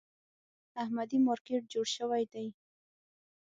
احمدي مارکېټ جوړ شوی دی.